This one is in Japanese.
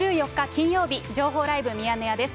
金曜日、情報ライブミヤネ屋です。